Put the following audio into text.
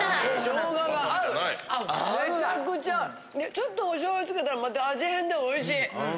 ちょっとお醤油つけたらまた味変でおいしい。